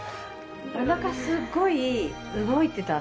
おなか、すっごい動いてたんですよね。